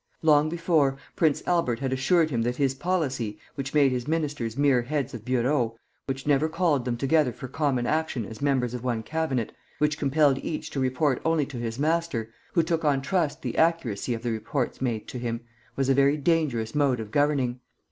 Long before, Prince Albert had assured him that his policy, which made his ministers mere heads of bureaux, which never called them together for common action as members of one cabinet, which compelled each to report only to his master, who took on trust the accuracy of the reports made to him, was a very dangerous mode of governing.